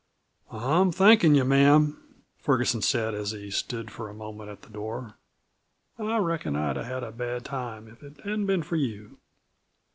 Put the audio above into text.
"I'm thankin' you, ma'am," Ferguson said as he stood for a moment at the door. "I reckon I'd have had a bad time if it hadn't been for you."